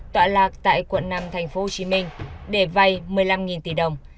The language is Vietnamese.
tọa lạc tại quận năm tp hcm để vay một mươi năm tỷ đồng